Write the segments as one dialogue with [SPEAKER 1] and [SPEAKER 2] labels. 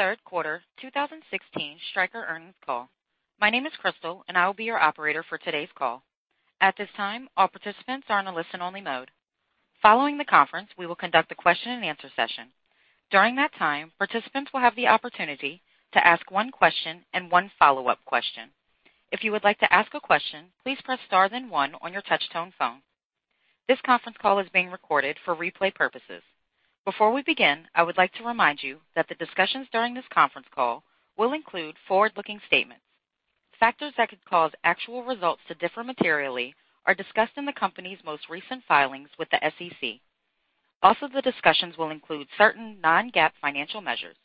[SPEAKER 1] Welcome to the third quarter 2016 Stryker earnings call. My name is Crystal, and I will be your operator for today's call. At this time, all participants are in a listen-only mode. Following the conference, we will conduct a question and answer session. During that time, participants will have the opportunity to ask one question and one follow-up question. If you would like to ask a question, please press star then one on your touch-tone phone. This conference call is being recorded for replay purposes. Before we begin, I would like to remind you that the discussions during this conference call will include forward-looking statements. Factors that could cause actual results to differ materially are discussed in the company's most recent filings with the SEC. Also, the discussions will include certain non-GAAP financial measures.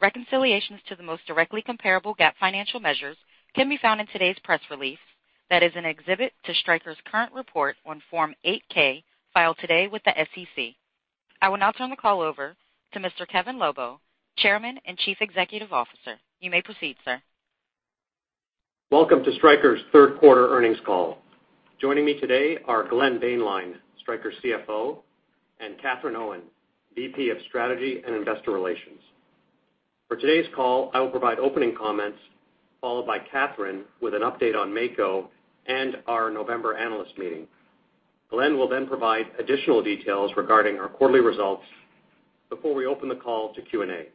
[SPEAKER 1] Reconciliations to the most directly comparable GAAP financial measures can be found in today's press release. That is an exhibit to Stryker's current report on Form 8-K filed today with the SEC. I will now turn the call over to Mr. Kevin Lobo, Chairman and Chief Executive Officer. You may proceed, sir.
[SPEAKER 2] Welcome to Stryker's third quarter earnings call. Joining me today are Glenn Boehnlein, Stryker CFO, and Katherine Owen, VP of Strategy and Investor Relations. For today's call, I will provide opening comments, followed by Katherine with an update on Mako and our November analyst meeting. Glenn will then provide additional details regarding our quarterly results before we open the call to Q&A.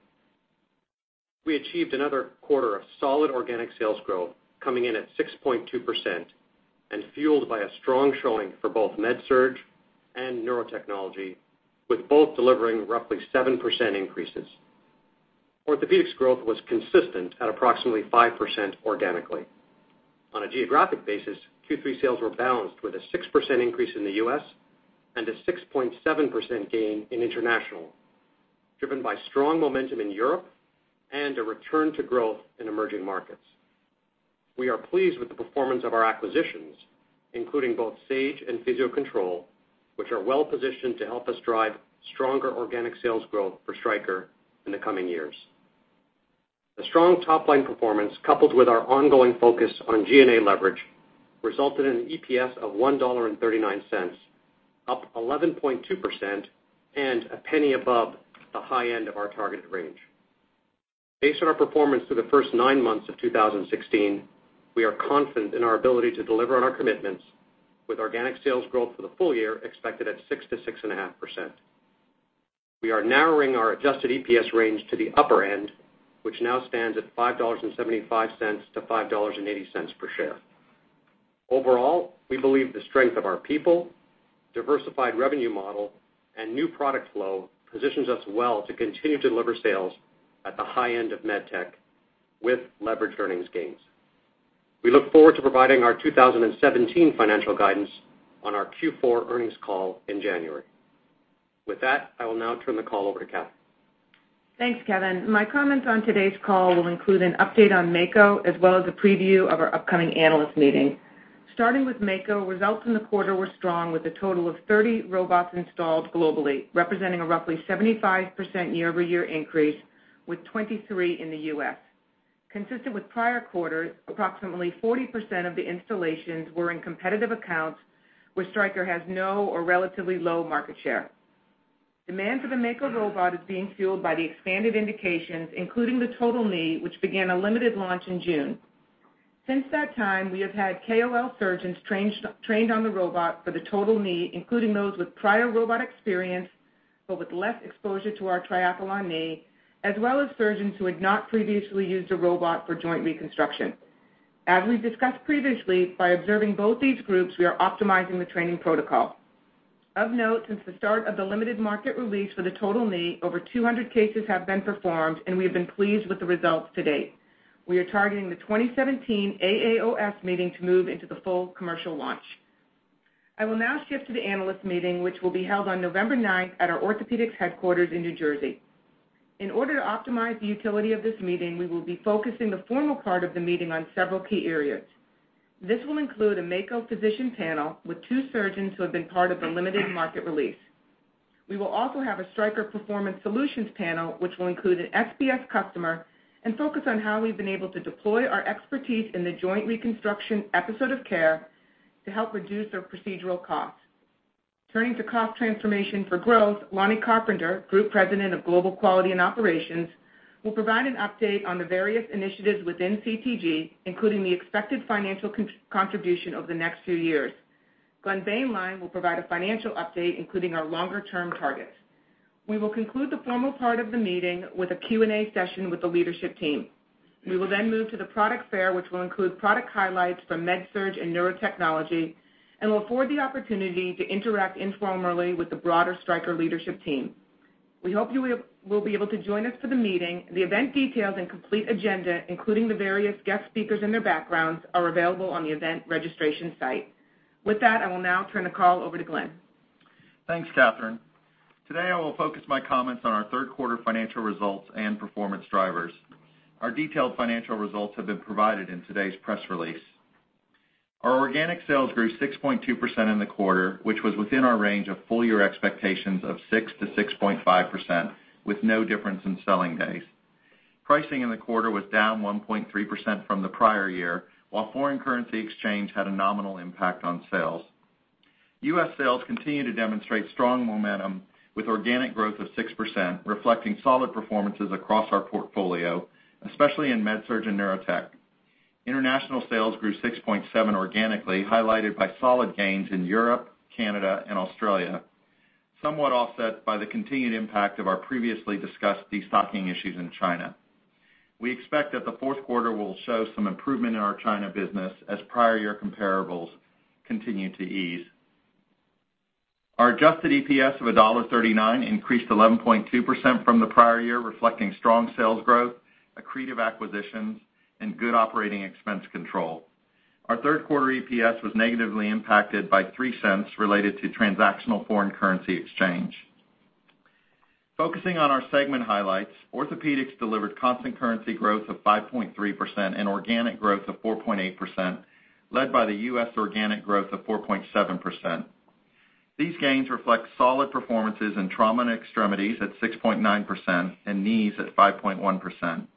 [SPEAKER 2] We achieved another quarter of solid organic sales growth, coming in at 6.2% and fueled by a strong showing for both MedSurg and Neurotechnology, with both delivering roughly 7% increases. Orthopaedics growth was consistent at approximately 5% organically. On a geographic basis, Q3 sales were balanced with a 6% increase in the U.S. and a 6.7% gain in international, driven by strong momentum in Europe and a return to growth in emerging markets. We are pleased with the performance of our acquisitions, including both Sage and Physio-Control, which are well-positioned to help us drive stronger organic sales growth for Stryker in the coming years. The strong top-line performance, coupled with our ongoing focus on G&A leverage, resulted in an EPS of $1.39, up 11.2% and a penny above the high end of our targeted range. Based on our performance through the first nine months of 2016, we are confident in our ability to deliver on our commitments with organic sales growth for the full year expected at 6%-6.5%. We are narrowing our adjusted EPS range to the upper end, which now stands at $5.75-$5.80 per share. Overall, we believe the strength of our people, diversified revenue model, and new product flow positions us well to continue to deliver sales at the high end of med tech with leveraged earnings gains. We look forward to providing our 2017 financial guidance on our Q4 earnings call in January. With that, I will now turn the call over to Katherine.
[SPEAKER 3] Thanks, Kevin. My comments on today's call will include an update on Mako, as well as a preview of our upcoming analyst meeting. Starting with Mako, results in the quarter were strong, with a total of 30 robots installed globally, representing a roughly 75% year-over-year increase with 23 in the U.S. Consistent with prior quarters, approximately 40% of the installations were in competitive accounts where Stryker has no or relatively low market share. Demand for the Mako robot is being fueled by the expanded indications, including the total knee, which began a limited launch in June. Since that time, we have had KOL surgeons trained on the robot for the total knee, including those with prior robot experience but with less exposure to our Triathlon knee, as well as surgeons who had not previously used a robot for joint reconstruction. As we've discussed previously, by observing both these groups, we are optimizing the training protocol. Of note, since the start of the limited market release for the total knee, over 200 cases have been performed, and we have been pleased with the results to date. We are targeting the 2017 AAOS meeting to move into the full commercial launch. I will now shift to the analyst meeting, which will be held on November 9th at our Orthopaedics headquarters in New Jersey. In order to optimize the utility of this meeting, we will be focusing the formal part of the meeting on several key areas. This will include a Mako physician panel with two surgeons who have been part of the limited market release. We will also have a Stryker Performance Solutions panel, which will include an SPS customer, and focus on how we've been able to deploy our expertise in the joint reconstruction episode of care to help reduce their procedural costs. Turning to cost transformation for growth, Lonny Carpenter, Group President of Global Quality and Operations, will provide an update on the various initiatives within CTG, including the expected financial contribution over the next few years. Glenn Boehnlein will provide a financial update, including our longer-term targets. We will conclude the formal part of the meeting with a Q&A session with the leadership team. We will then move to the product fair, which will include product highlights from MedSurg and Neurotechnology and will afford the opportunity to interact informally with the broader Stryker leadership team. We hope you will be able to join us for the meeting. The event details and complete agenda, including the various guest speakers and their backgrounds, are available on the event registration site. With that, I will now turn the call over to Glenn.
[SPEAKER 4] Thanks, Katherine. Today, I will focus my comments on our third quarter financial results and performance drivers. Our detailed financial results have been provided in today's press release. Our organic sales grew 6.2% in the quarter, which was within our range of full-year expectations of 6%-6.5%, with no difference in selling days. Pricing in the quarter was down 1.3% from the prior year, while foreign currency exchange had a nominal impact on sales. U.S. sales continue to demonstrate strong momentum with organic growth of 6%, reflecting solid performances across our portfolio, especially in MedSurg and Neurotech. International sales grew 6.7% organically, highlighted by solid gains in Europe, Canada, and Australia, somewhat offset by the continued impact of our previously discussed destocking issues in China. We expect that the fourth quarter will show some improvement in our China business as prior year comparables continue to ease. Our adjusted EPS of $1.39 increased 11.2% from the prior year, reflecting strong sales growth, accretive acquisitions, and good operating expense control. Our third quarter EPS was negatively impacted by $0.03 related to transactional foreign currency exchange. Focusing on our segment highlights, Orthopaedics delivered constant currency growth of 5.3% and organic growth of 4.8%, led by the U.S. organic growth of 4.7%. These gains reflect solid performances in trauma and extremities at 6.9% and knees at 5.1%.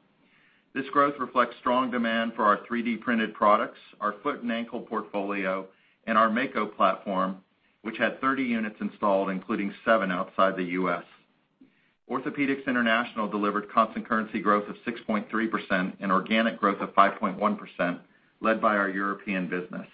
[SPEAKER 4] This growth reflects strong demand for our 3D-printed products, our foot and ankle portfolio, and our Mako platform, which had 30 units installed, including seven outside the U.S. Orthopaedics International delivered constant currency growth of 6.3% and organic growth of 5.1%, led by our European business.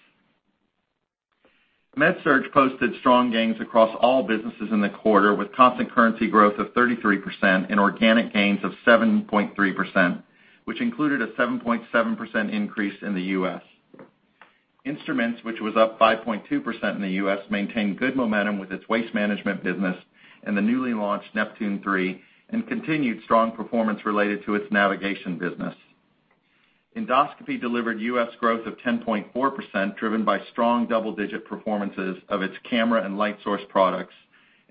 [SPEAKER 4] MedSurg posted strong gains across all businesses in the quarter, with constant currency growth of 33% and organic gains of 7.3%, which included a 7.7% increase in the U.S. Instruments, which was up 5.2% in the U.S., maintained good momentum with its waste management business and the newly launched Neptune 3, and continued strong performance related to its navigation business. Endoscopy delivered U.S. growth of 10.4%, driven by strong double-digit performances of its camera and light source products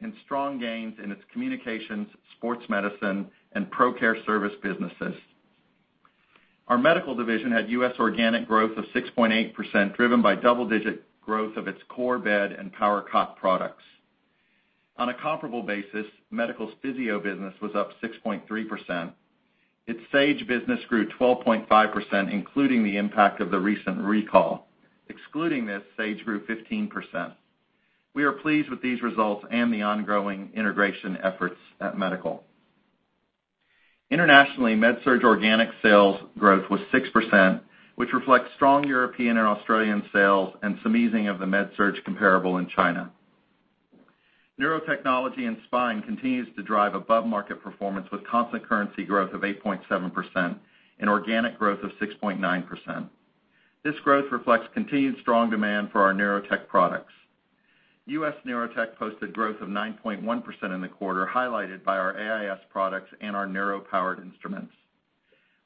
[SPEAKER 4] and strong gains in its communications, sports medicine, and ProCare service businesses. Our Medical division had U.S. organic growth of 6.8%, driven by double-digit growth of its core bed and power cot products. On a comparable basis, Medical's Physio business was up 6.3%. Its Sage business grew 12.5%, including the impact of the recent recall. Excluding this, Sage grew 15%. We are pleased with these results and the ongoing integration efforts at Medical. Internationally, MedSurg organic sales growth was 6%, which reflects strong European and Australian sales and some easing of the MedSurg comparable in China. Neurotechnology and Spine continues to drive above-market performance, with constant currency growth of 8.7% and organic growth of 6.9%. This growth reflects continued strong demand for our Neurotech products. U.S. Neurotech posted growth of 9.1% in the quarter, highlighted by our AIS products and our neuro-powered instruments.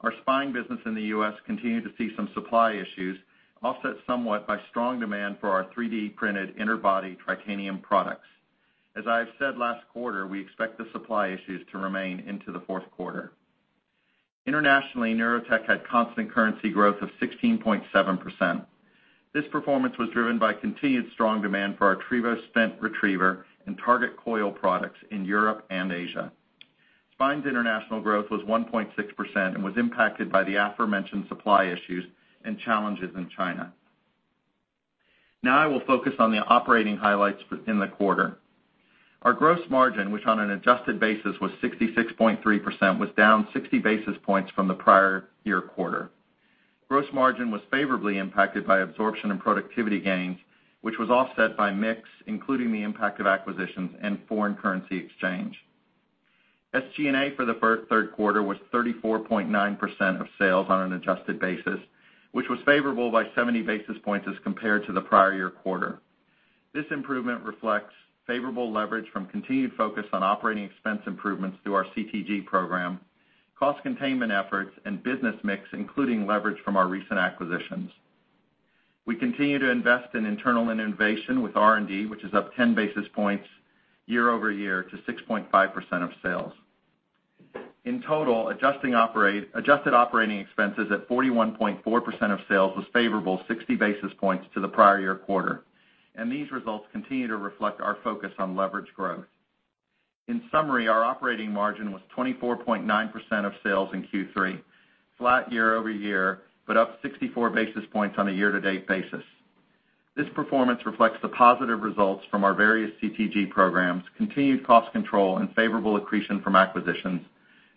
[SPEAKER 4] Our Spine business in the U.S. continued to see some supply issues, offset somewhat by strong demand for our 3D-printed interbody titanium products. As I have said last quarter, we expect the supply issues to remain into the fourth quarter. Internationally, Neurotech had constant currency growth of 16.7%. This performance was driven by continued strong demand for our Trevo stent retriever and Target coil products in Europe and Asia. Spine's international growth was 1.6% and was impacted by the aforementioned supply issues and challenges in China. I will focus on the operating highlights within the quarter. Our gross margin, which on an adjusted basis was 66.3%, was down 60 basis points from the prior year quarter. Gross margin was favorably impacted by absorption and productivity gains, which was offset by mix, including the impact of acquisitions and foreign currency exchange. SG&A for the third quarter was 34.9% of sales on an adjusted basis, which was favorable by 70 basis points as compared to the prior year quarter. This improvement reflects favorable leverage from continued focus on operating expense improvements through our CTG program, cost containment efforts, and business mix, including leverage from our recent acquisitions. We continue to invest in internal innovation with R&D, which is up 10 basis points year-over-year to 6.5% of sales. In total, adjusted operating expenses at 41.4% of sales was favorable 60 basis points to the prior year quarter. These results continue to reflect our focus on leverage growth. In summary, our operating margin was 24.9% of sales in Q3, flat year-over-year, but up 64 basis points on a year-to-date basis. This performance reflects the positive results from our various CTG programs, continued cost control, and favorable accretion from acquisitions,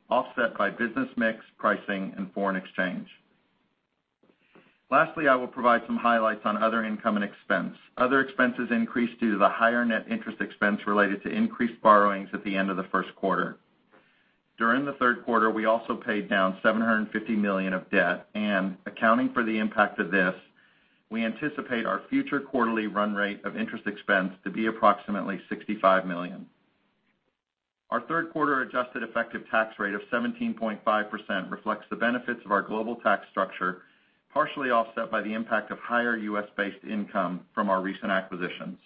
[SPEAKER 4] offset by business mix, pricing, and foreign exchange. Lastly, I will provide some highlights on other income and expense. Other expenses increased due to the higher net interest expense related to increased borrowings at the end of the first quarter. During the third quarter, we also paid down $750 million of debt. Accounting for the impact of this, we anticipate our future quarterly run rate of interest expense to be approximately $65 million. Our third quarter adjusted effective tax rate of 17.5% reflects the benefits of our global tax structure, partially offset by the impact of higher U.S.-based income from our recent acquisitions.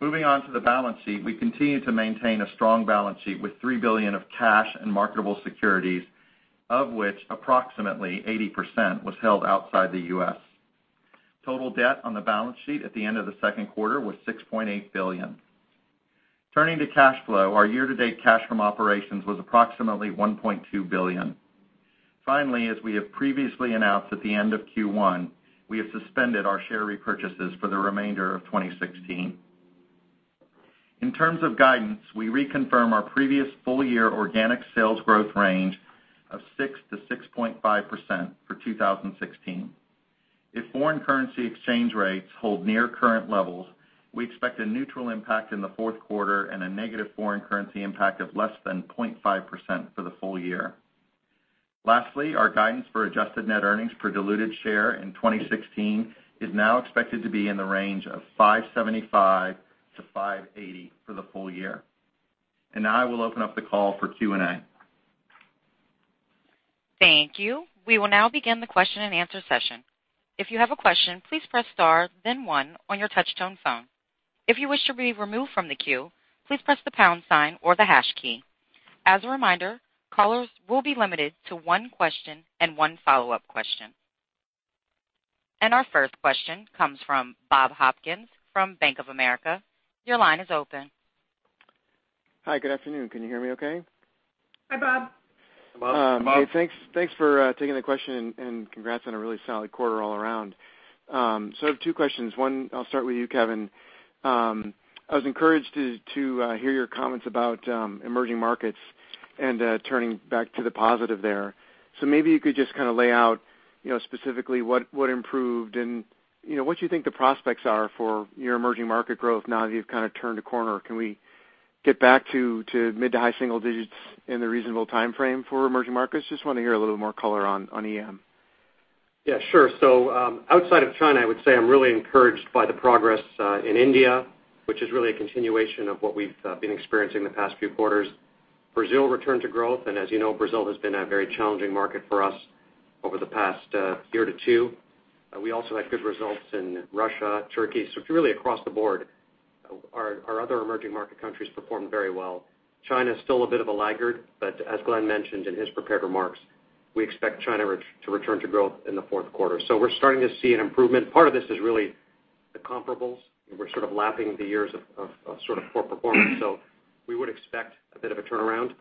[SPEAKER 4] Moving on to the balance sheet, we continue to maintain a strong balance sheet with $3 billion of cash and marketable securities, of which approximately 80% was held outside the U.S. Total debt on the balance sheet at the end of the second quarter was $6.8 billion. Turning to cash flow, our year-to-date cash from operations was approximately $1.2 billion. Finally, as we have previously announced at the end of Q1, we have suspended our share repurchases for the remainder of 2016. In terms of guidance, we reconfirm our previous full-year organic sales growth range of 6%-6.5% for 2016. If foreign currency exchange rates hold near current levels, we expect a neutral impact in the fourth quarter and a negative foreign currency impact of less than 0.5% for the full year. Lastly, our guidance for adjusted net earnings per diluted share in 2016 is now expected to be in the range of $5.75-$5.80 for the full year. Now I will open up the call for Q&A.
[SPEAKER 1] Thank you. We will now begin the question-and-answer session. If you have a question, please press star then one on your touchtone phone. If you wish to be removed from the queue, please press the pound sign or the hash key. As a reminder, callers will be limited to one question and one follow-up question. Our first question comes from Bob Hopkins from Bank of America. Your line is open.
[SPEAKER 5] Hi, good afternoon. Can you hear me okay?
[SPEAKER 4] Hi, Bob.
[SPEAKER 5] Thanks for taking the question, and congrats on a really solid quarter all around. I have two questions. One, I'll start with you, Kevin. I was encouraged to hear your comments about emerging markets and turning back to the positive there. Maybe you could just lay out specifically what improved and what you think the prospects are for your emerging market growth now that you've kind of turned a corner. Can we get back to mid to high single digits in the reasonable timeframe for emerging markets? Just want to hear a little more color on EM.
[SPEAKER 2] Yeah, sure. Outside of China, I would say I'm really encouraged by the progress in India, which is really a continuation of what we've been experiencing the past few quarters. Brazil returned to growth, and as you know, Brazil has been a very challenging market for us over the past year to two. We also had good results in Russia, Turkey. It's really across the board. Our other emerging market countries performed very well. China's still a bit of a laggard, but as Glenn mentioned in his prepared remarks, we expect China to return to growth in the fourth quarter. We're starting to see an improvement. Part of this is really the comparables. We're sort of lapping the years of poor performance. We would expect a bit of a turnaround.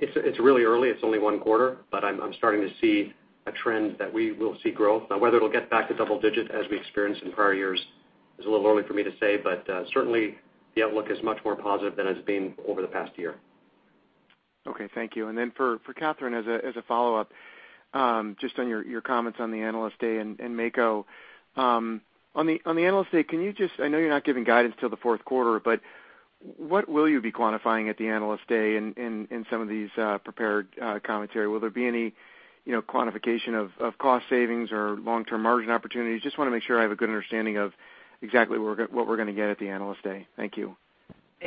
[SPEAKER 2] It's really early. It's only one quarter, but I'm starting to see a trend that we will see growth. Whether it'll get back to double digit as we experienced in prior years is a little early for me to say, but certainly the outlook is much more positive than it's been over the past year.
[SPEAKER 5] Okay, thank you. For Katherine, as a follow-up, just on your comments on the Analyst Day and Mako. On the Analyst Day, I know you're not giving guidance till the fourth quarter, but what will you be quantifying at the Analyst Day in some of these prepared commentary? Will there be any quantification of cost savings or long-term margin opportunities? Just want to make sure I have a good understanding of exactly what we're going to get at the Analyst Day. Thank you.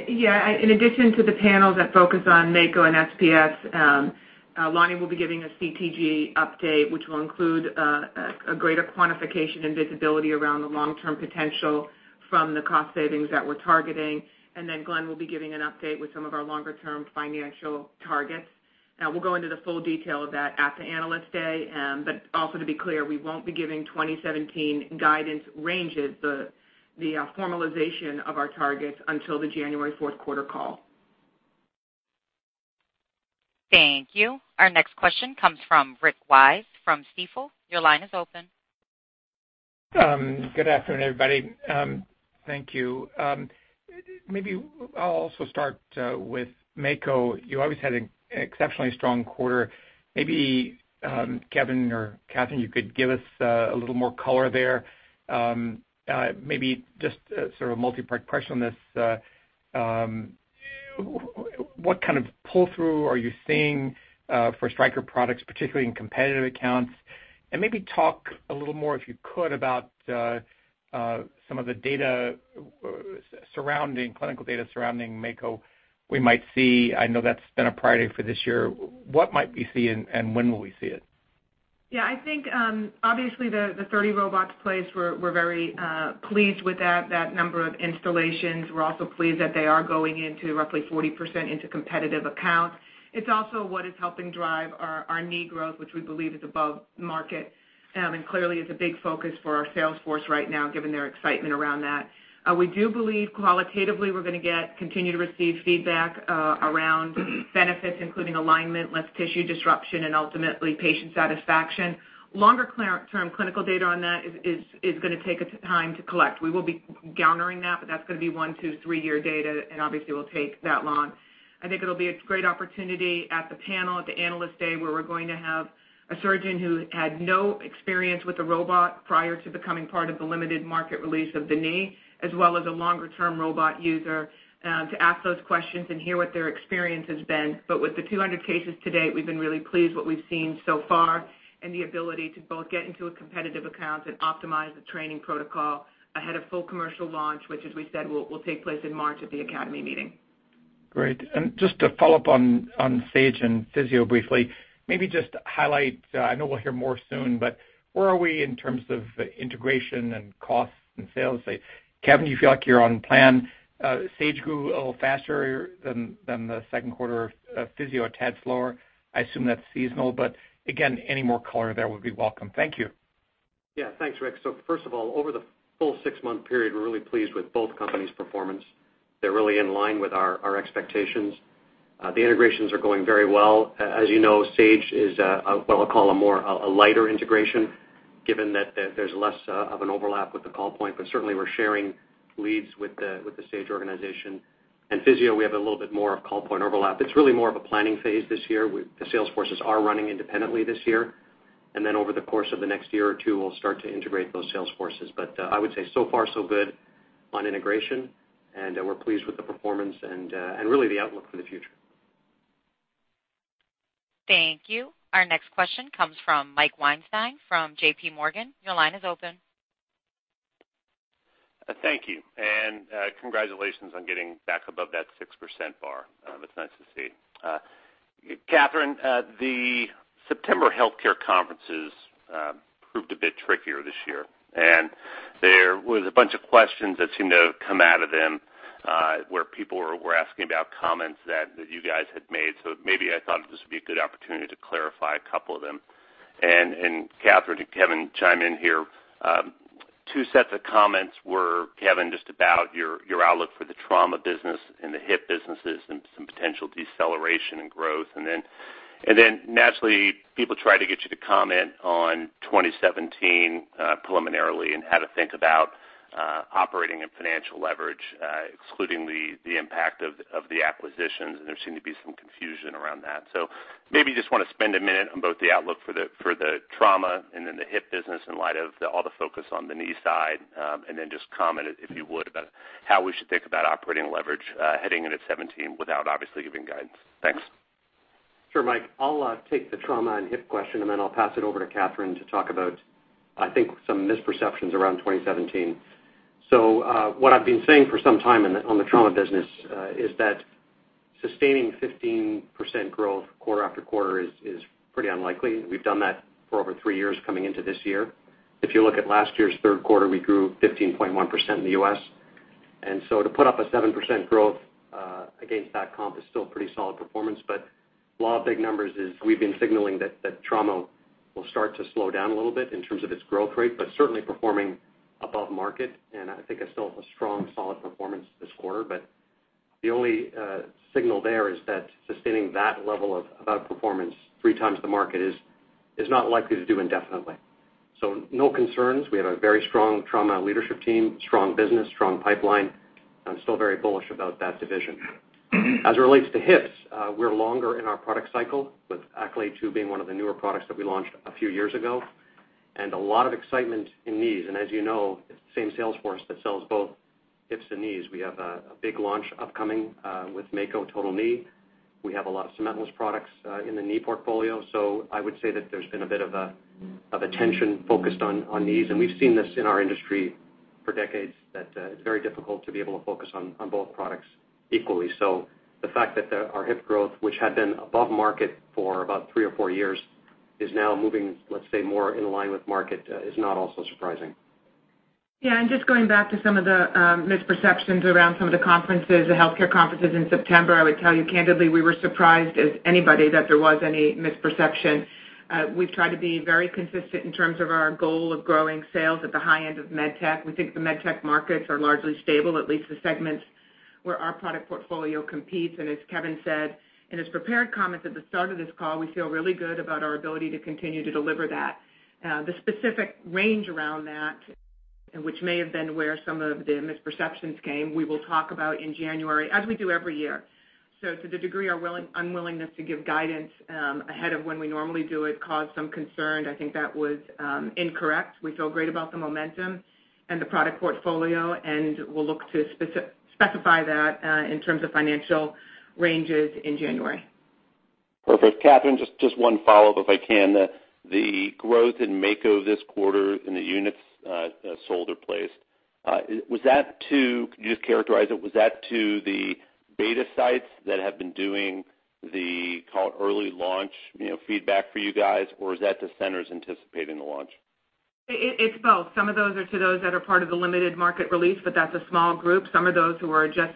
[SPEAKER 3] Yeah. In addition to the panels that focus on Mako and SPS, Lonny will be giving a CTG update, which will include a greater quantification and visibility around the long-term potential from the cost savings that we're targeting. Glenn will be giving an update with some of our longer-term financial targets. We'll go into the full detail of that at the Analyst Day, to be clear, we won't be giving 2017 guidance ranges, the formalization of our targets until the January fourth quarter call.
[SPEAKER 1] Thank you. Our next question comes from Rick Wise from Stifel. Your line is open.
[SPEAKER 6] Good afternoon, everybody. Thank you. Maybe I'll also start with Mako. You obviously had an exceptionally strong quarter. Maybe, Kevin or Katherine, you could give us a little more color there. Maybe just sort of multi-part question on this. What kind of pull-through are you seeing for Stryker products, particularly in competitive accounts? Maybe talk a little more, if you could, about some of the clinical data surrounding Mako we might see. I know that's been a priority for this year. What might we see, and when will we see it?
[SPEAKER 3] Yeah, I think, obviously the 30 robots placed, we're very pleased with that number of installations. We're also pleased that they are going into roughly 40% into competitive accounts. It's also what is helping drive our knee growth, which we believe is above market, clearly is a big focus for our sales force right now, given their excitement around that. We do believe qualitatively we're going to continue to receive feedback around benefits, including alignment, less tissue disruption, and ultimately patient satisfaction. Longer-term clinical data on that is going to take us time to collect. We will be garnering that, but that's going to be one, two, three-year data, obviously will take that long. I think it'll be a great opportunity at the panel at the Analyst Day, where we're going to have a surgeon who had no experience with the robot prior to becoming part of the limited market release of the knee, as well as a longer-term robot user, to ask those questions and hear what their experience has been. With the 200 cases to date, we've been really pleased what we've seen so far and the ability to both get into a competitive account and optimize the training protocol ahead of full commercial launch, which, as we said, will take place in March at the Academy meeting.
[SPEAKER 6] Great. Just to follow up on Sage and Physio briefly, maybe just highlight, I know we'll hear more soon, but where are we in terms of integration and costs and sales? Kevin, do you feel like you're on plan? Sage grew a little faster than the second quarter of Physio, a tad slower. I assume that's seasonal, but again, any more color there would be welcome. Thank you.
[SPEAKER 2] Thanks, Rick. First of all, over the full six-month period, we're really pleased with both companies' performance. They're really in line with our expectations. The integrations are going very well. As you know, Sage is what I'll call a more, a lighter integration, given that there's less of an overlap with the call point, but certainly we're sharing leads with the Sage organization. Physio, we have a little bit more of call point overlap. It's really more of a planning phase this year. The sales forces are running independently this year. Then over the course of the next year or two, we'll start to integrate those sales forces. I would say so far so good on integration, and we're pleased with the performance and really the outlook for the future.
[SPEAKER 1] Thank you. Our next question comes from Mike Weinstein from JP Morgan. Your line is open.
[SPEAKER 7] Thank you, and congratulations on getting back above that 6% bar. It's nice to see. Katherine, the September healthcare conferences proved a bit trickier this year, there was a bunch of questions that seemed to come out of them, where people were asking about comments that you guys had made. Maybe I thought this would be a good opportunity to clarify a couple of them. Katherine and Kevin, chime in here. Two sets of comments were, Kevin, just about your outlook for the trauma business and the hip businesses and some potential deceleration in growth. Then naturally, people try to get you to comment on 2017 preliminarily and how to think about operating and financial leverage, excluding the impact of the acquisitions. There seemed to be some confusion around that. Maybe just want to spend a minute on both the outlook for the trauma and then the hip business in light of all the focus on the knee side, and then just comment, if you would, about how we should think about operating leverage heading into 2017 without obviously giving guidance. Thanks.
[SPEAKER 2] Sure, Mike. I'll take the trauma and hip question, then I'll pass it over to Katherine to talk about, I think, some misperceptions around 2017. What I've been saying for some time on the trauma business is that sustaining 15% growth quarter after quarter is pretty unlikely. We've done that for over 3 years coming into this year. If you look at last year's third quarter, we grew 15.1% in the U.S. To put up a 7% growth against that comp is still pretty solid performance, but law of big numbers is we've been signaling that trauma will start to slow down a little bit in terms of its growth rate, but certainly performing above market. I think that's still a strong, solid performance this quarter. The only signal there is that sustaining that level of outperformance 3 times the market is not likely to do indefinitely. No concerns. We have a very strong trauma leadership team, strong business, strong pipeline. I'm still very bullish about that division. As it relates to hips, we're longer in our product cycle with Accolade II being one of the newer products that we launched a few years ago, a lot of excitement in knees. As you know, it's the same sales force that sells both hips and knees. We have a big launch upcoming with Mako Total Knee. We have a lot of cementless products in the knee portfolio, I would say that there's been a bit of attention focused on knees. We've seen this in our industry for decades, that it's very difficult to be able to focus on both products equally. The fact that our hip growth, which had been above market for about three or four years, is now moving, let's say, more in line with market is not also surprising.
[SPEAKER 3] Just going back to some of the misperceptions around some of the conferences, the healthcare conferences in September, I would tell you candidly, we were surprised as anybody that there was any misperception. We've tried to be very consistent in terms of our goal of growing sales at the high end of med tech. We think the med tech markets are largely stable, at least the segments where our product portfolio competes. As Kevin said in his prepared comments at the start of this call, we feel really good about our ability to continue to deliver that. The specific range around that, which may have been where some of the misperceptions came, we will talk about in January, as we do every year. To the degree our unwillingness to give guidance ahead of when we normally do it caused some concern, I think that was incorrect. We feel great about the momentum and the product portfolio, and we'll look to specify that in terms of financial ranges in January.
[SPEAKER 7] Perfect. Katherine, just one follow-up, if I can. The growth in Mako this quarter in the units sold or placed, can you just characterize it? Was that to the beta sites that have been doing the early launch feedback for you guys, or is that the centers anticipating the launch?
[SPEAKER 3] It's both. Some of those are to those that are part of the limited market release, but that's a small group. Some are those who are just,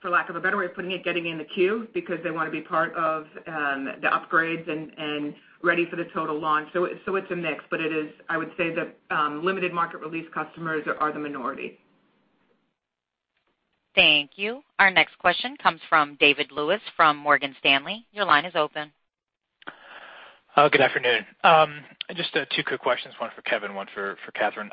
[SPEAKER 3] for lack of a better way of putting it, getting in the queue because they want to be part of the upgrades and ready for the total launch. It's a mix, but it is, I would say that limited market release customers are the minority.
[SPEAKER 1] Thank you. Our next question comes from David Lewis from Morgan Stanley. Your line is open.
[SPEAKER 8] Good afternoon. Just two quick questions, one for Kevin, one for Katherine.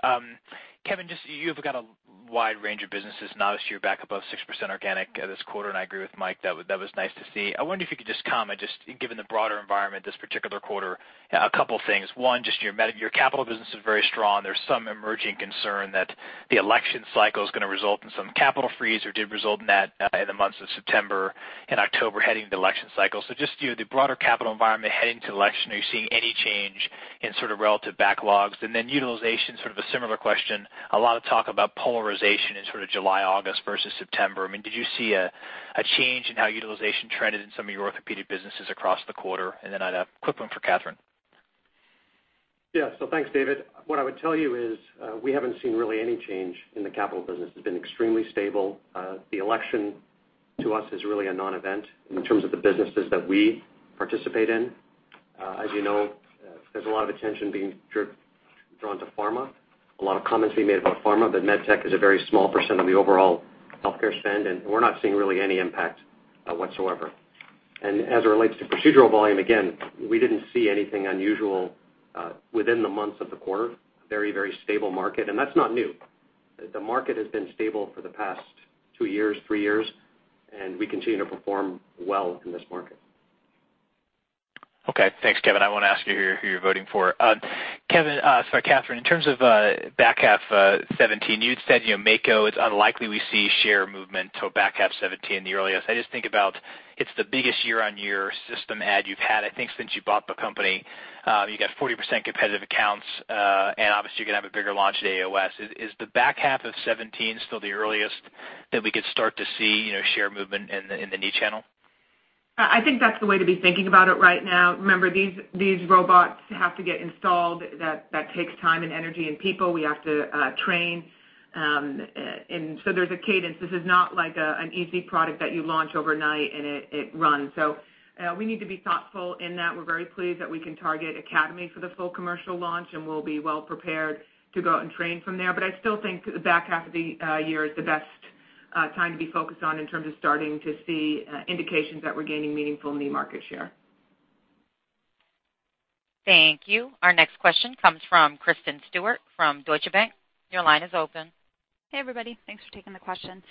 [SPEAKER 8] Kevin, you've got a wide range of businesses. Now, obviously, you're back above 6% organic this quarter, and I agree with Mike, that was nice to see. I wonder if you could just comment, just given the broader environment this particular quarter, a couple of things. One, just your capital business is very strong. There's some emerging concern that the election cycle is going to result in some capital freeze or did result in that in the months of September and October heading into the election cycle. Just the broader capital environment heading into the election, are you seeing any change in sort of relative backlogs? And then utilization, sort of a similar question. A lot of talk about polarization in sort of July, August versus September. Did you see a change in how utilization trended in some of your Orthopaedics businesses across the quarter? Then I'd have a quick one for Katherine.
[SPEAKER 2] Thanks, David. What I would tell you, we haven't seen really any change in the capital business. It's been extremely stable. The election to us is really a non-event in terms of the businesses that we participate in. As you know, there's a lot of attention being drawn to pharma, a lot of comments being made about pharma, but medtech is a very small % of the overall healthcare spend, and we're not seeing really any impact whatsoever. As it relates to procedural volume, again, we didn't see anything unusual within the months of the quarter. Very stable market, and that's not new. The market has been stable for the past two years, three years, and we continue to perform well in this market.
[SPEAKER 8] Thanks, Kevin. I won't ask you who you're voting for. Kevin, sorry, Katherine, in terms of back half 2017, you had said, "Mako, it's unlikely we see share movement till back half 2017 the earliest." I just think about it's the biggest year-on-year system add you've had, I think since you bought the company. You got 40% competitive accounts, and obviously you're going to have a bigger launch at AAOS. Is the back half of 2017 still the earliest that we could start to see share movement in the knee channel?
[SPEAKER 3] I think that's the way to be thinking about it right now. Remember, these robots have to get installed. That takes time and energy and people. We have to train. There's a cadence. This is not like an easy product that you launch overnight and it runs. We need to be thoughtful in that. We're very pleased that we can target AAOS for the full commercial launch, and we'll be well prepared to go out and train from there. I still think the back half of the year is the best time to be focused on in terms of starting to see indications that we're gaining meaningful knee market share.
[SPEAKER 1] Thank you. Our next question comes from Kristen Stewart from Deutsche Bank. Your line is open.
[SPEAKER 9] Hey, everybody. Thanks for taking the question.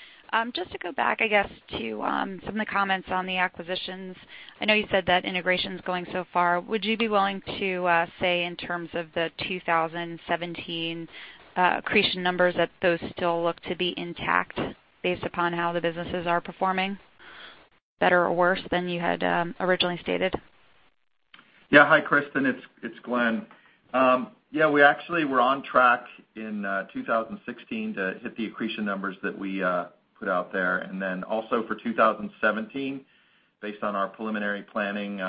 [SPEAKER 9] Just to go back, I guess, to some of the comments on the acquisitions. I know you said that integration's going so far. Would you be willing to say in terms of the 2017 accretion numbers, that those still look to be intact based upon how the businesses are performing, better or worse than you had originally stated?
[SPEAKER 4] Hi, Kristen, it's Glenn. We actually were on track in 2016 to hit the accretion numbers that we put out there. Also for 2017, based on our preliminary planning,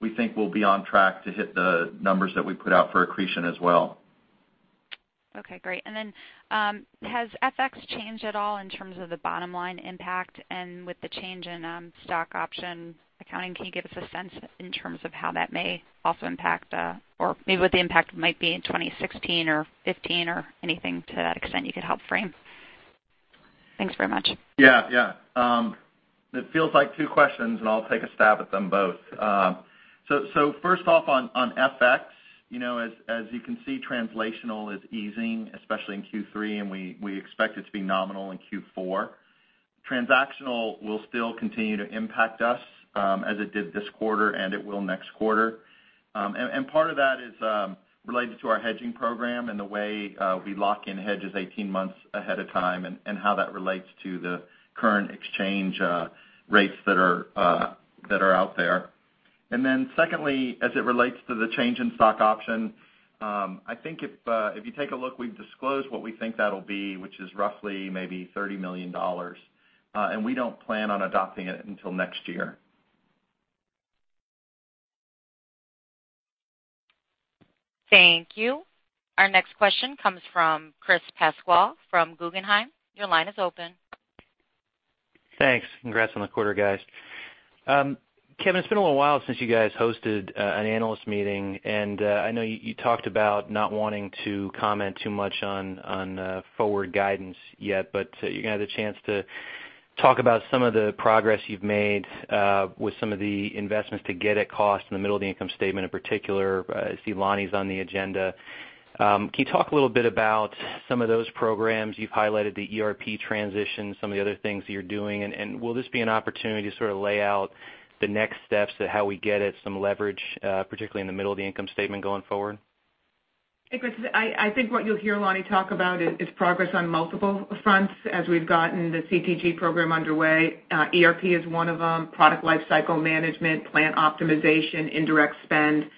[SPEAKER 4] we think we'll be on track to hit the numbers that we put out for accretion as well.
[SPEAKER 9] Okay, great. Has FX changed at all in terms of the bottom line impact and with the change in stock option accounting? Can you give us a sense in terms of how that may also impact, or maybe what the impact might be in 2016 or 2015 or anything to that extent you could help frame? Thanks very much.
[SPEAKER 4] It feels like two questions, and I'll take a stab at them both. First off, on FX, as you can see, translational is easing, especially in Q3, and we expect it to be nominal in Q4. Transactional will still continue to impact us, as it did this quarter, and it will next quarter. Part of that is related to our hedging program and the way we lock in hedges 18 months ahead of time and how that relates to the current exchange rates that are out there. Secondly, as it relates to the change in stock option, I think if you take a look, we've disclosed what we think that'll be, which is roughly maybe $30 million. We don't plan on adopting it until next year.
[SPEAKER 1] Thank you. Our next question comes from Chris Pasquale from Guggenheim. Your line is open.
[SPEAKER 10] Thanks. Congrats on the quarter, guys. Kevin, it's been a little while since you guys hosted an analyst meeting. I know you talked about not wanting to comment too much on forward guidance yet. You're going to have the chance to talk about some of the progress you've made with some of the investments to get at cost in the middle of the income statement. In particular, I see Lonnie's on the agenda. Can you talk a little bit about some of those programs? You've highlighted the ERP transition, some of the other things that you're doing. Will this be an opportunity to sort of lay out the next steps to how we get at some leverage, particularly in the middle of the income statement going forward?
[SPEAKER 3] Hey, Chris. I think what you'll hear Lonnie talk about is progress on multiple fronts as we've gotten the CTG program underway. ERP is one of them, product life cycle management, plant optimization, indirect spend.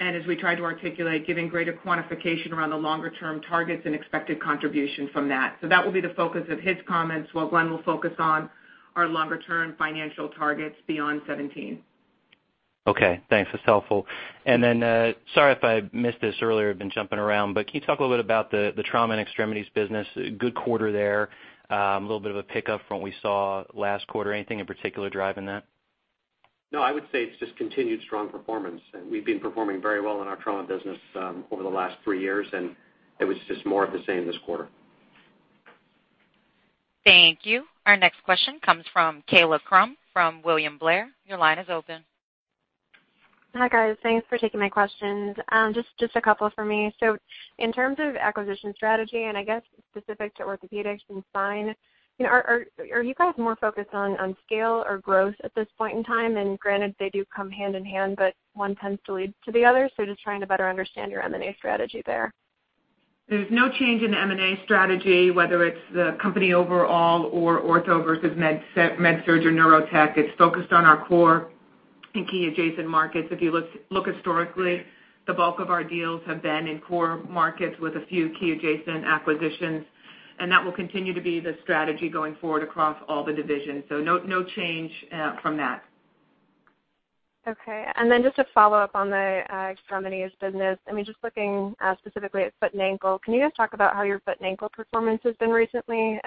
[SPEAKER 3] As we try to articulate, giving greater quantification around the longer-term targets and expected contribution from that. That will be the focus of his comments while Glenn will focus on our longer-term financial targets beyond 2017.
[SPEAKER 10] Okay, thanks. That's helpful. Then, sorry if I missed this earlier, been jumping around. Can you talk a little bit about the trauma and extremities business? Good quarter there. A little bit of a pickup from what we saw last quarter. Anything in particular driving that?
[SPEAKER 2] I would say it's just continued strong performance. We've been performing very well in our trauma business over the last three years, and it was just more of the same this quarter.
[SPEAKER 1] Thank you. Our next question comes from Kaila Krum from William Blair. Your line is open.
[SPEAKER 11] Hi, guys. Thanks for taking my questions. Just a couple from me. In terms of acquisition strategy, and I guess specific to Orthopaedics and Spine, are you guys more focused on scale or growth at this point in time? Granted, they do come hand in hand, but one tends to lead to the other, so just trying to better understand your M&A strategy there.
[SPEAKER 3] There's no change in M&A strategy, whether it's the company overall or Ortho versus MedSurg or Neurotech. It's focused on our core and key adjacent markets. If you look historically, the bulk of our deals have been in core markets with a few key adjacent acquisitions, and that will continue to be the strategy going forward across all the divisions. No change from that.
[SPEAKER 11] Okay. Then just to follow up on the extremities business, just looking specifically at foot and ankle, can you guys talk about how your foot and ankle performance has been recently?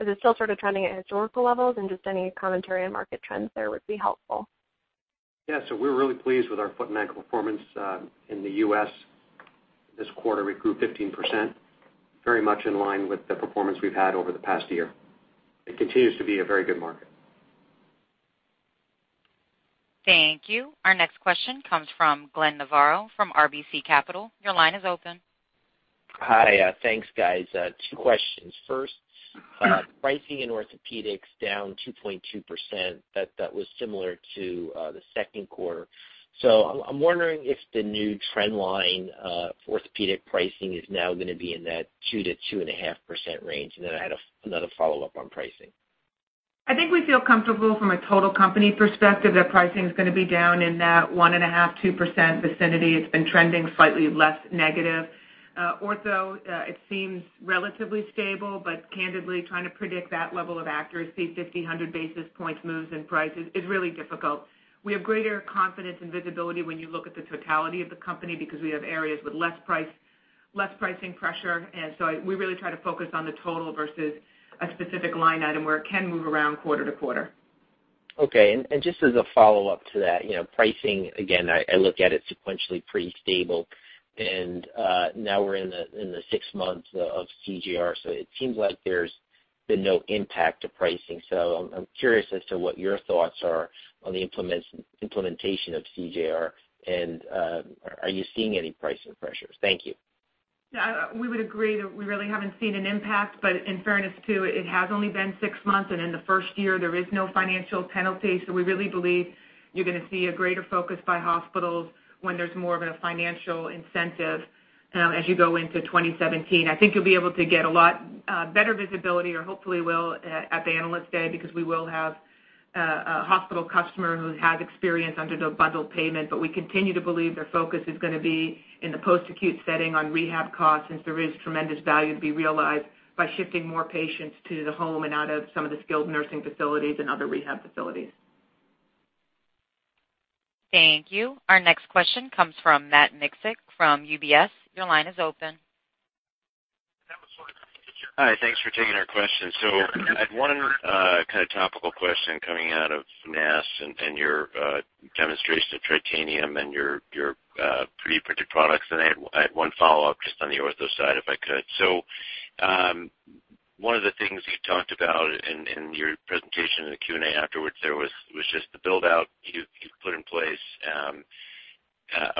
[SPEAKER 11] Is it still sort of trending at historical levels? Just any commentary on market trends there would be helpful.
[SPEAKER 2] Yeah. We're really pleased with our foot and ankle performance in the U.S. This quarter, we grew 15%, very much in line with the performance we've had over the past year. It continues to be a very good market.
[SPEAKER 1] Thank you. Our next question comes from Glenn Novarro from RBC Capital. Your line is open.
[SPEAKER 12] Hi. Thanks, guys. Two questions. First, pricing in Orthopaedics down 2.2%, that was similar to the second quarter. I'm wondering if the new trend line for Orthopaedic pricing is now going to be in that 2%-2.5% range. Then I had another follow-up on pricing.
[SPEAKER 3] I think we feel comfortable from a total company perspective that pricing's going to be down in that 1.5%-2% vicinity. It's been trending slightly less negative. Ortho, it seems relatively stable, but candidly, trying to predict that level of accuracy, 50, 100 basis points moves in prices, is really difficult. We have greater confidence and visibility when you look at the totality of the company because we have areas with less pricing pressure. We really try to focus on the total versus a specific line item where it can move around quarter-to-quarter.
[SPEAKER 12] Okay. Just as a follow-up to that, pricing, again, I look at it sequentially pretty stable, and now we're in the sixth month of CJR, it seems like there's been no impact to pricing. I'm curious as to what your thoughts are on the implementation of CJR, and are you seeing any pricing pressures? Thank you.
[SPEAKER 3] We would agree that we really haven't seen an impact, in fairness too, it has only been six months, and in the first year, there is no financial penalty. We really believe you're going to see a greater focus by hospitals when there's more of a financial incentive as you go into 2017. I think you'll be able to get a lot better visibility or hopefully will at the Analyst Day, because we will have a hospital customer who has experience under the bundled payment. We continue to believe their focus is going to be in the post-acute setting on rehab costs, since there is tremendous value to be realized by shifting more patients to the home and out of some of the skilled nursing facilities and other rehab facilities.
[SPEAKER 1] Thank you. Our next question comes from Matt Miksic from UBS. Your line is open.
[SPEAKER 13] That was sort of. Hi. Thanks for taking our question. I had one kind of topical question coming out of NASS and your demonstration of Tritanium and your 3D-printed products, and I had one follow-up just on the ortho side, if I could. One of the things you talked about in your presentation, in the Q&A afterwards there was just the build-out you put in place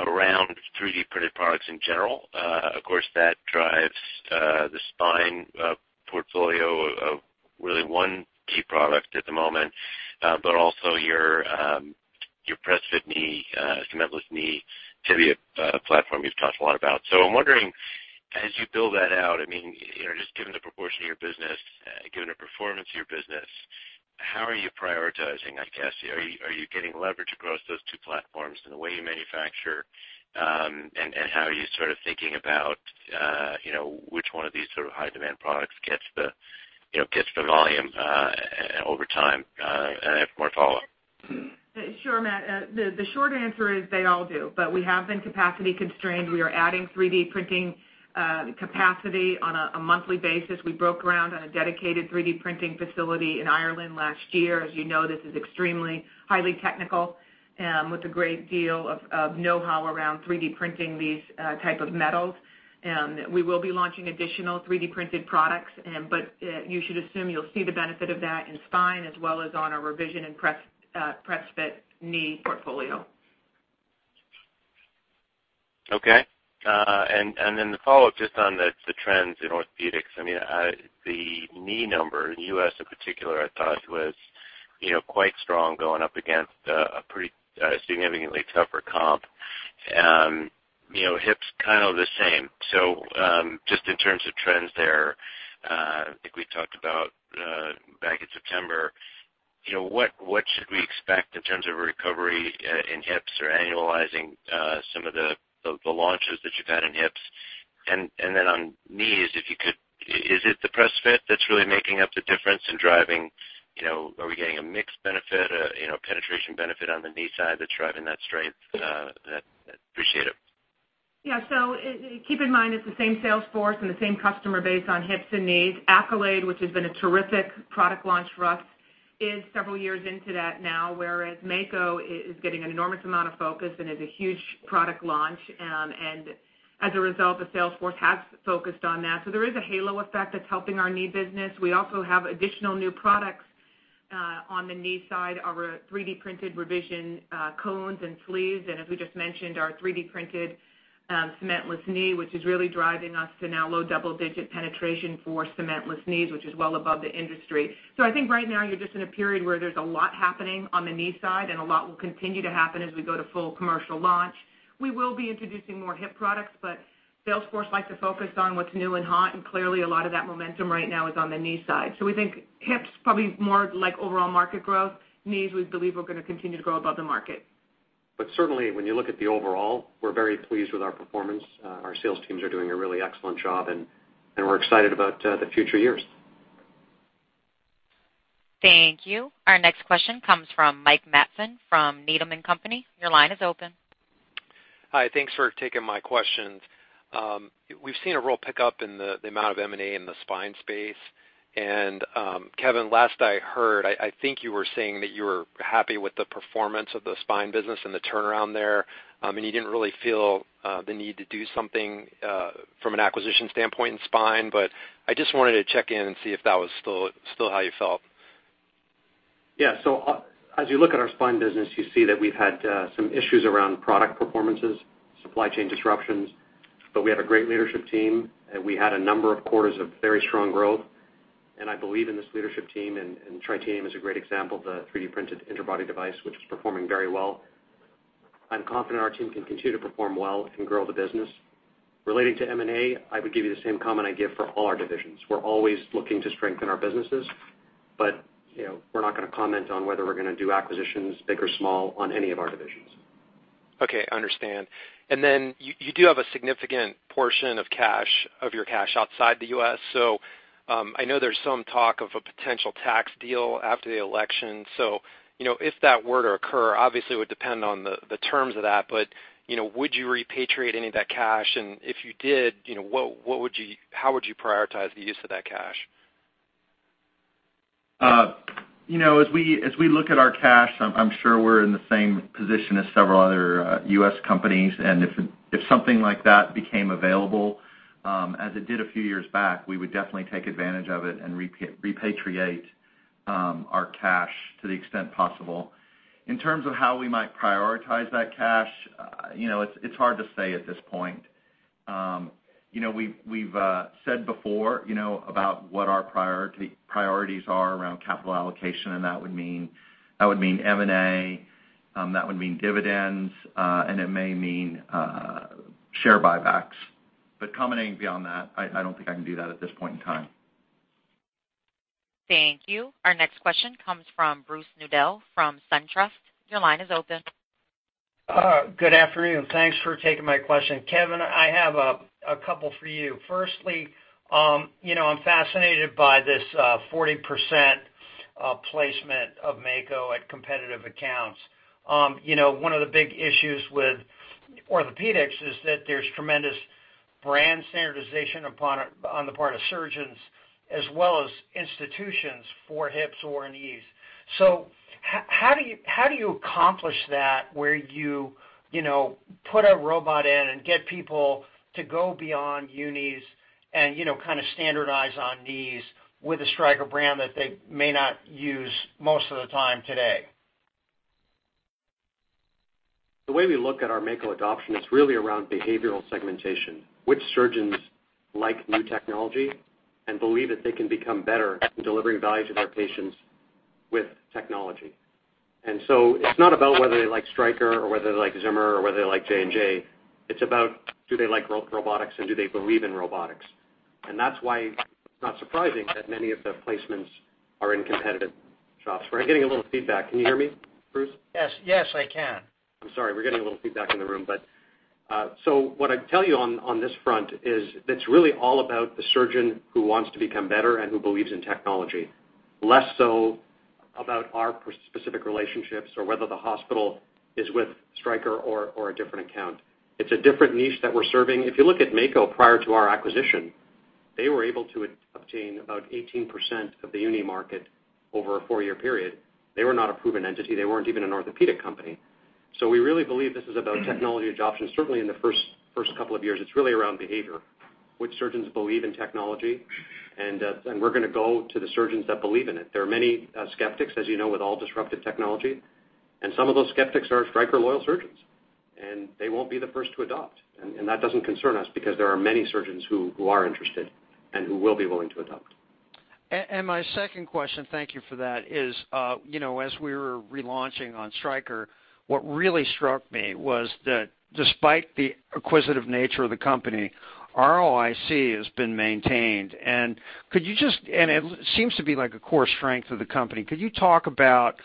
[SPEAKER 13] around 3D-printed products in general. Of course, that drives the spine portfolio of really one key product at the moment. But also your Pressfit Cementless Knee Tibia platform you've talked a lot about. I'm wondering, as you build that out, just given the proportion of your business, given the performance of your business, how are you prioritizing, I guess? Are you getting leverage across those two platforms in the way you manufacture? How are you sort of thinking about which one of these sort of high-demand products gets the volume over time? I have more follow-up.
[SPEAKER 3] Sure, Matt. The short answer is they all do, but we have been capacity constrained. We are adding 3D printing capacity on a monthly basis. We broke ground on a dedicated 3D printing facility in Ireland last year. As you know, this is extremely, highly technical, with a great deal of know-how around 3D printing these type of metals. We will be launching additional 3D-printed products, but you should assume you'll see the benefit of that in spine as well as on our revision and Pressfit knee portfolio.
[SPEAKER 13] The follow-up just on the trends in Orthopaedics. The knee number in the U.S. in particular, I thought was quite strong going up against a pretty significantly tougher comp. Hips, kind of the same. Just in terms of trends there, I think we talked about back in September, what should we expect in terms of a recovery in hips or annualizing some of the launches that you've had in hips? Then on knees, if you could, is it the Pressfit that's really making up the difference and driving? Are we getting a mixed benefit, a penetration benefit on the knee side that's driving that strength? I'd appreciate it.
[SPEAKER 3] Yeah. Keep in mind, it's the same sales force and the same customer base on hips and knees. Accolade, which has been a terrific product launch for us, is several years into that now, whereas Mako is getting an enormous amount of focus and is a huge product launch. As a result, the sales force has focused on that. There is a halo effect that's helping our knee business. We also have additional new products on the knee side, our 3D-printed revision cones and sleeves, and as we just mentioned, our 3D-printed cementless knee, which is really driving us to now low double-digit penetration for cementless knees, which is well above the industry. I think right now you're just in a period where there's a lot happening on the knee side, and a lot will continue to happen as we go to full commercial launch. We will be introducing more hip products, sales force likes to focus on what's new and hot, and clearly a lot of that momentum right now is on the knee side. We think hips probably more like overall market growth. Knees, we believe we're going to continue to grow above the market.
[SPEAKER 2] Certainly when you look at the overall, we're very pleased with our performance. Our sales teams are doing a really excellent job, and we're excited about the future years.
[SPEAKER 1] Thank you. Our next question comes from Mike Matson from Needham & Company. Your line is open.
[SPEAKER 14] Hi. Thanks for taking my questions. We've seen a real pickup in the amount of M&A in the spine space. Kevin, last I heard, I think you were saying that you were happy with the performance of the spine business and the turnaround there, and you didn't really feel the need to do something from an acquisition standpoint in spine. I just wanted to check in and see if that was still how you felt.
[SPEAKER 2] Yeah. As you look at our spine business, you see that we've had some issues around product performances, supply chain disruptions, but we have a great leadership team, and we had a number of quarters of very strong growth. I believe in this leadership team, and Tritanium is a great example of the 3D-printed interbody device, which is performing very well. I'm confident our team can continue to perform well and grow the business. Relating to M&A, I would give you the same comment I give for all our divisions. We're always looking to strengthen our businesses, but we're not going to comment on whether we're going to do acquisitions, big or small, on any of our divisions.
[SPEAKER 14] Okay, understand. Then you do have a significant portion of your cash outside the U.S., so I know there's some talk of a potential tax deal after the election. If that were to occur, obviously, it would depend on the terms of that, but would you repatriate any of that cash? If you did, how would you prioritize the use of that cash?
[SPEAKER 4] As we look at our cash, I'm sure we're in the same position as several other U.S. companies. If something like that became available, as it did a few years back, we would definitely take advantage of it and repatriate our cash to the extent possible. In terms of how we might prioritize that cash, it's hard to say at this point. We've said before about what our priorities are around capital allocation. That would mean M&A, that would mean dividends, and it may mean share buybacks. Commenting beyond that, I don't think I can do that at this point in time.
[SPEAKER 1] Thank you. Our next question comes from Bruce Nudell from SunTrust. Your line is open.
[SPEAKER 15] Good afternoon. Thanks for taking my question. Kevin, I have a couple for you. Firstly, I'm fascinated by this 40% placement of Mako at competitive accounts. One of the big issues with Orthopaedics is that there's tremendous brand standardization on the part of surgeons as well as institutions for hips or knees. How do you accomplish that, where you put a robot in and get people to go beyond unis and kind of standardize on knees with a Stryker brand that they may not use most of the time today?
[SPEAKER 2] The way we look at our Mako adoption is really around behavioral segmentation, which surgeons like new technology and believe that they can become better in delivering value to their patients with technology. It's not about whether they like Stryker or whether they like Zimmer or whether they like J&J. It's about do they like robotics and do they believe in robotics. That's why it's not surprising that many of the placements are in competitive shops. We're getting a little feedback. Can you hear me, Bruce?
[SPEAKER 15] Yes, I can.
[SPEAKER 2] I'm sorry. We're getting a little feedback in the room. What I'd tell you on this front is it's really all about the surgeon who wants to become better and who believes in technology, less so about our specific relationships or whether the hospital is with Stryker or a different account. It's a different niche that we're serving. If you look at Mako prior to our acquisition, they were able to obtain about 18% of the uni market over a four-year period. They were not a proven entity. They weren't even an orthopedic company. We really believe this is about technology adoption. Certainly, in the first couple of years, it's really around behavior, which surgeons believe in technology, and we're going to go to the surgeons that believe in it. There are many skeptics, as you know, with all disruptive technology, some of those skeptics are Stryker loyal surgeons, and they won't be the first to adopt. That doesn't concern us because there are many surgeons who are interested and who will be willing to adopt.
[SPEAKER 15] My second question, thank you for that, is as we were relaunching on Stryker, what really struck me was that despite the acquisitive nature of the company, ROIC has been maintained. It seems to be like a core strength of the company. Could you talk about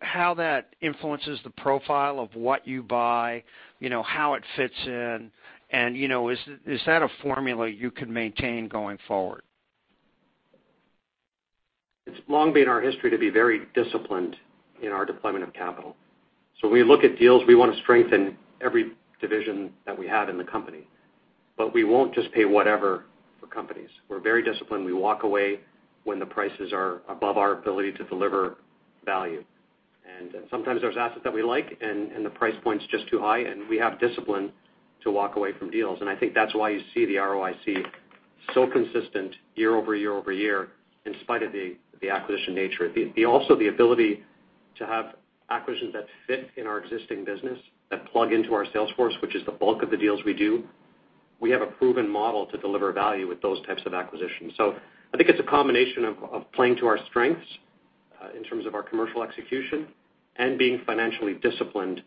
[SPEAKER 15] how that influences the profile of what you buy, how it fits in, and is that a formula you can maintain going forward?
[SPEAKER 2] It's long been our history to be very disciplined in our deployment of capital. We look at deals, we want to strengthen every division that we have in the company. We won't just pay whatever for companies. We're very disciplined. We walk away when the prices are above our ability to deliver value. Sometimes there's assets that we like, and the price point's just too high, and we have discipline to walk away from deals. I think that's why you see the ROIC so consistent year-over-year over year, in spite of the acquisition nature. Also the ability to have acquisitions that fit in our existing business, that plug into our sales force, which is the bulk of the deals we do. We have a proven model to deliver value with those types of acquisitions.
[SPEAKER 4] I think it's a combination of playing to our strengths in terms of our commercial execution and being financially disciplined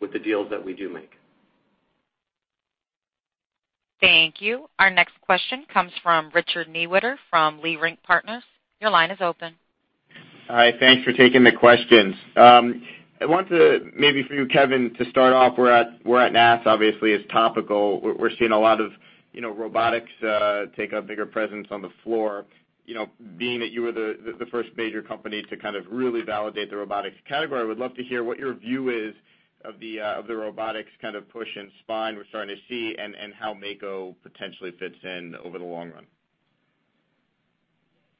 [SPEAKER 4] with the deals that we do make.
[SPEAKER 1] Thank you. Our next question comes from Richard Newitter from Leerink Partners. Your line is open.
[SPEAKER 16] Hi, thanks for taking the questions. I want to, maybe for you, Kevin, to start off, we're at NASS, obviously it's topical. We're seeing a lot of robotics take a bigger presence on the floor. Being that you were the first major company to kind of really validate the robotics category, I would love to hear what your view is of the robotics kind of push in spine we're starting to see, and how Mako potentially fits in over the long run.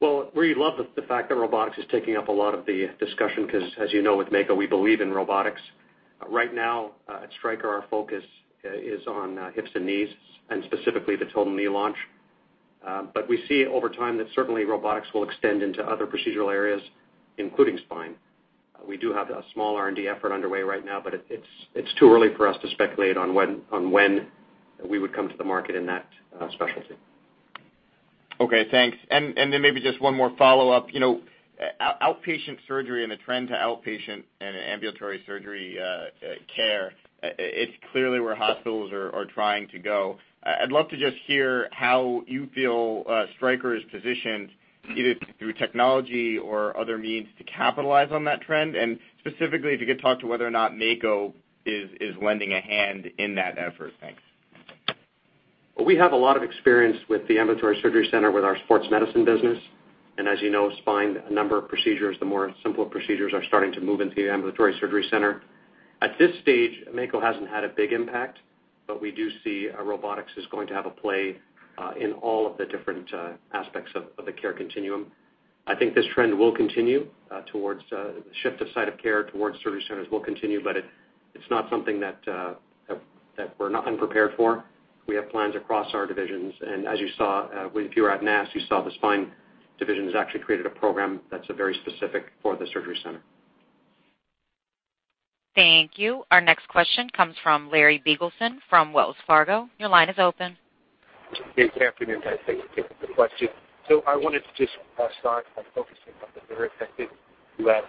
[SPEAKER 2] Well, we love the fact that robotics is taking up a lot of the discussion because, as you know, with Mako, we believe in robotics. Right now, at Stryker, our focus is on hips and knees, and specifically the total knee launch. We see over time that certainly robotics will extend into other procedural areas, including spine. We do have a small R&D effort underway right now, but it's too early for us to speculate on when we would come to the market in that specialty.
[SPEAKER 16] Okay, thanks. Then maybe just one more follow-up. Outpatient surgery and the trend to outpatient and ambulatory surgery care, it's clearly where hospitals are trying to go. I'd love to just hear how you feel Stryker is positioned, either through technology or other means, to capitalize on that trend. Specifically, if you could talk to whether or not Mako is lending a hand in that effort. Thanks.
[SPEAKER 2] Well, we have a lot of experience with the ambulatory surgery center with our sports medicine business. As you know, spine, a number of procedures, the more simpler procedures are starting to move into the ambulatory surgery center. At this stage, Mako hasn't had a big impact, we do see robotics is going to have a play in all of the different aspects of the care continuum. I think this trend will continue towards the shift of site of care, towards surgery centers will continue, but it's not something that we're not unprepared for. We have plans across our divisions, as you saw, if you were at NASS, you saw the spine division has actually created a program that's very specific for the surgery center.
[SPEAKER 1] Thank you. Our next question comes from Larry Biegelsen from Wells Fargo. Your line is open.
[SPEAKER 17] Good afternoon, guys. Thanks for taking the question. I wanted to just start by focusing on the Neurotech business you have. There's still good growth there, but a bit slower-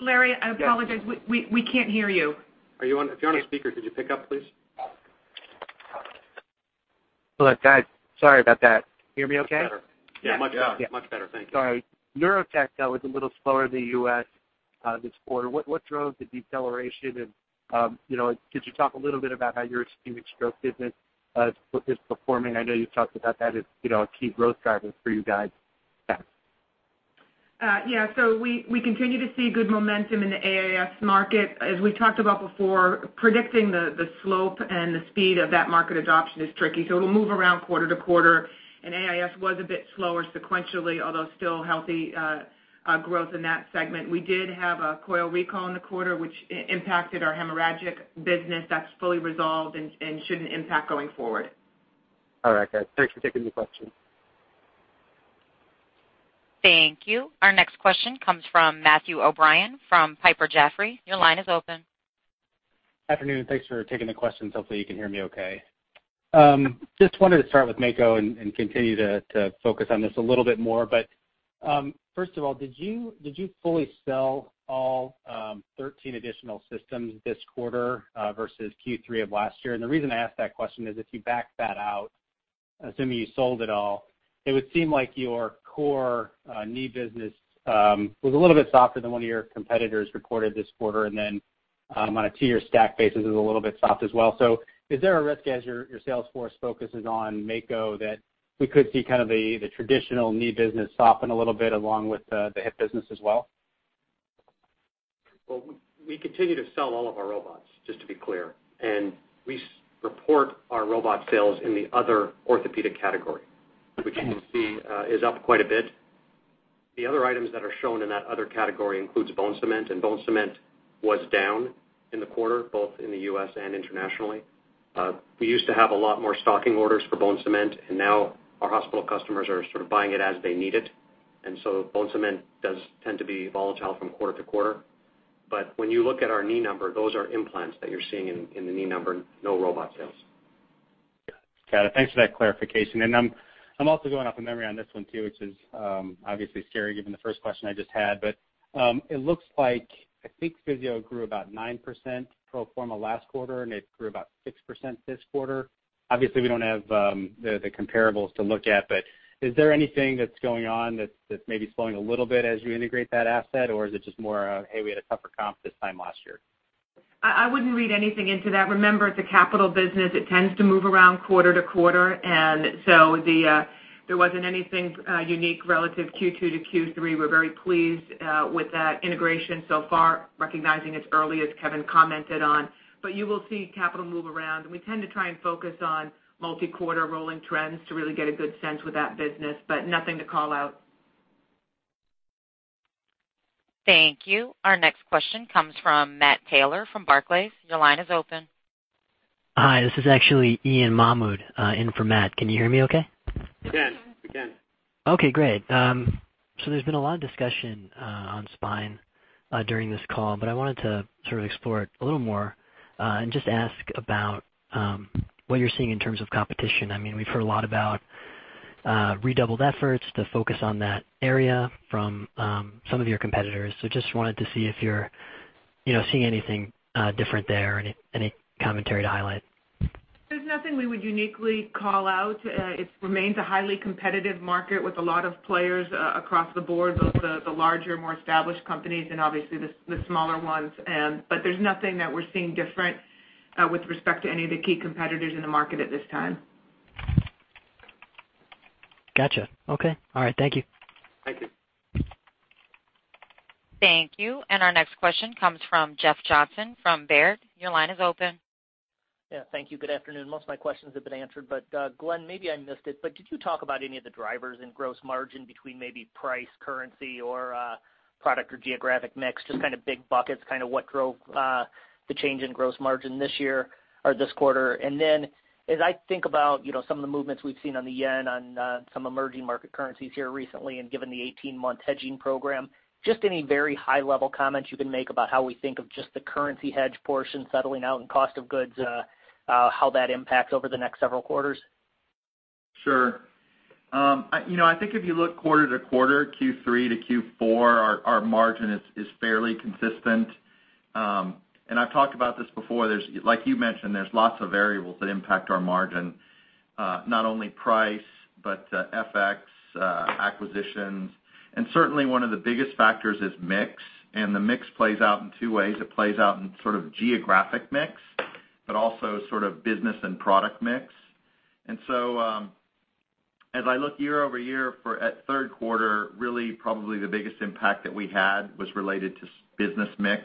[SPEAKER 3] Larry, I apologize. We can't hear you.
[SPEAKER 2] If you're on a speaker, could you pick up, please?
[SPEAKER 17] Look, guys, sorry about that. Hear me okay?
[SPEAKER 2] Much better. Yeah, much better. Thank you.
[SPEAKER 17] Sorry. Neurotech, though, was a little slower in the U.S. this quarter. What drove the deceleration, and could you talk a little bit about how your stroke business is performing? I know you've talked about that as a key growth driver for you guys.
[SPEAKER 3] Yeah, we continue to see good momentum in the AIS market. As we talked about before, predicting the slope and the speed of that market adoption is tricky. It'll move around quarter to quarter. AIS was a bit slower sequentially, although still healthy growth in that segment. We did have a coil recall in the quarter, which impacted our hemorrhagic business. That's fully resolved and shouldn't impact going forward.
[SPEAKER 17] All right, guys, thanks for taking the question.
[SPEAKER 1] Thank you. Our next question comes from Matthew O'Brien from Piper Jaffray. Your line is open.
[SPEAKER 18] Afternoon, thanks for taking the questions. Hopefully, you can hear me okay. Just wanted to start with Mako and continue to focus on this a little bit more. First of all, did you fully sell all 13 additional systems this quarter versus Q3 of last year? The reason I ask that question is if you back that out, assuming you sold it all, it would seem like your core knee business was a little bit softer than one of your competitors recorded this quarter, and then on a two-year stack basis, it was a little bit soft as well. Is there a risk as your sales force focuses on Mako that we could see kind of the traditional knee business soften a little bit along with the hip business as well?
[SPEAKER 2] Well, we continue to sell all of our robots, just to be clear, and we report our robot sales in the other orthopedic category, which you can see is up quite a bit. The other items that are shown in that other category includes bone cement, bone cement was down in the quarter, both in the U.S. and internationally. We used to have a lot more stocking orders for bone cement, and now our hospital customers are sort of buying it as they need it. Bone cement does tend to be volatile from quarter to quarter. When you look at our knee number, those are implants that you're seeing in the knee number, no robot sales.
[SPEAKER 18] Got it. Thanks for that clarification. I'm also going off of memory on this one, too, which is obviously scary given the first question I just had. It looks like, I think Physio grew about 9% pro forma last quarter, and it grew about 6% this quarter. Obviously, we don't have the comparables to look at, is there anything that's going on that's maybe slowing a little bit as you integrate that asset? Is it just more a, "Hey, we had a tougher comp this time last year?
[SPEAKER 3] I wouldn't read anything into that. Remember, it's a capital business. It tends to move around quarter to quarter, there wasn't anything unique relative Q2 to Q3. We're very pleased with that integration so far, recognizing it's early, as Kevin commented on. You will see capital move around, we tend to try and focus on multi-quarter rolling trends to really get a good sense with that business. Nothing to call out.
[SPEAKER 1] Thank you. Our next question comes from Matt Taylor from Barclays. Your line is open.
[SPEAKER 19] Hi, this is actually Ian Mahmud in for Matt. Can you hear me okay?
[SPEAKER 2] We can.
[SPEAKER 19] Okay, great. There's been a lot of discussion on spine during this call, I wanted to sort of explore it a little more, and just ask about what you're seeing in terms of competition. I mean, we've heard a lot about redoubled efforts to focus on that area from some of your competitors. Just wanted to see if you're Seeing anything different there? Any commentary to highlight?
[SPEAKER 3] There's nothing we would uniquely call out. It remains a highly competitive market with a lot of players across the board, both the larger, more established companies, and obviously the smaller ones. There's nothing that we're seeing different with respect to any of the key competitors in the market at this time.
[SPEAKER 19] Got you. Okay. All right. Thank you.
[SPEAKER 3] Thank you.
[SPEAKER 1] Thank you. Our next question comes from Jeff Johnson from Baird. Your line is open.
[SPEAKER 20] Yeah. Thank you. Good afternoon. Most of my questions have been answered, Glenn, maybe I missed it, did you talk about any of the drivers in gross margin between maybe price, currency or product or geographic mix, just kind of big buckets, kind of what drove the change in gross margin this year or this quarter? Then as I think about some of the movements we've seen on the yen, on some emerging market currencies here recently, and given the 18-month hedging program, just any very high-level comments you can make about how we think of just the currency hedge portion settling out and cost of goods, how that impacts over the next several quarters.
[SPEAKER 4] Sure. I think if you look quarter to quarter, Q3 to Q4, our margin is fairly consistent. I've talked about this before, like you mentioned, there's lots of variables that impact our margin. Not only price, but FX, acquisitions, and certainly one of the biggest factors is mix. The mix plays out in two ways. It plays out in sort of geographic mix, but also sort of business and product mix. So as I look year-over-year at third quarter, really probably the biggest impact that we had was related to business mix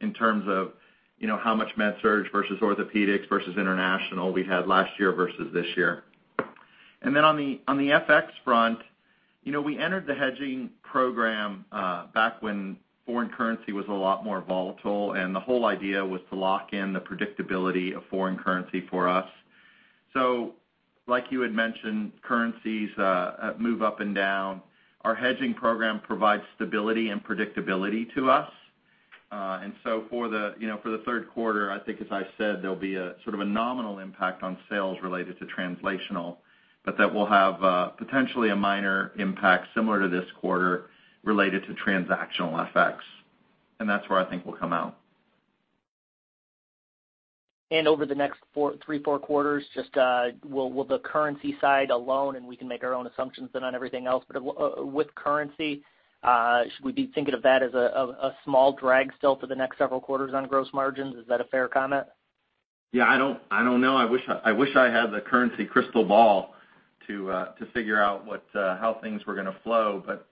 [SPEAKER 4] in terms of how much MedSurg versus Orthopaedics versus international we had last year versus this year. Then on the FX front, we entered the hedging program back when foreign currency was a lot more volatile, and the whole idea was to lock in the predictability of foreign currency for us. Like you had mentioned, currencies move up and down. Our hedging program provides stability and predictability to us. For the third quarter, I think, as I said, there'll be a sort of a nominal impact on sales related to translational, but that will have potentially a minor impact similar to this quarter related to transactional effects. That's where I think we'll come out.
[SPEAKER 20] Over the next three, four quarters, just will the currency side alone, and we can make our own assumptions then on everything else. With currency, should we be thinking of that as a small drag still for the next several quarters on gross margins? Is that a fair comment?
[SPEAKER 4] Yeah, I don't know. I wish I had the currency crystal ball to figure out how things were going to flow, but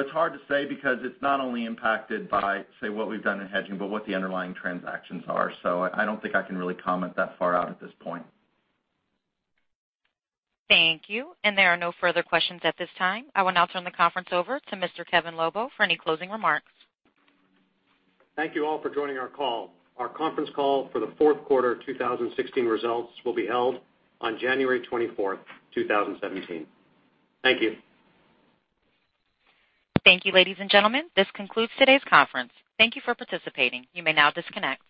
[SPEAKER 4] it's hard to say because it's not only impacted by, say, what we've done in hedging, but what the underlying transactions are. I don't think I can really comment that far out at this point.
[SPEAKER 1] Thank you. There are no further questions at this time. I will now turn the conference over to Mr. Kevin Lobo for any closing remarks.
[SPEAKER 2] Thank you all for joining our call. Our conference call for the fourth quarter 2016 results will be held on January 24th, 2017. Thank you.
[SPEAKER 1] Thank you, ladies and gentlemen. This concludes today's conference. Thank you for participating. You may now disconnect.